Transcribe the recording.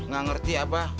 gak ngerti abah